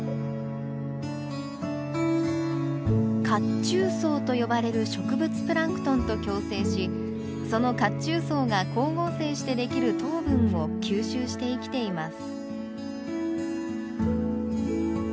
褐虫藻と呼ばれる植物プランクトンと共生しその褐虫藻が光合成してできる糖分を吸収して生きています。